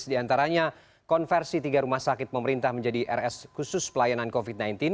di antaranya konversi tiga rumah sakit pemerintah menjadi rs khusus pelayanan covid sembilan belas